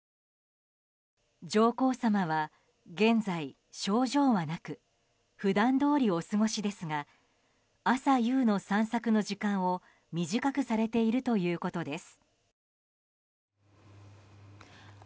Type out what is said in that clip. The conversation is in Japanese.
上皇さまは現在症状はなく普段どおりお過ごしですが朝夕の散策の時間を短くされているということです。